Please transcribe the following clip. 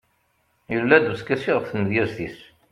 yella-d uskasi ɣef tmedyazt-is